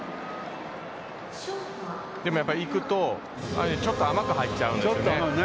でもやっぱり行くとちょっと甘く入っちゃうんですね。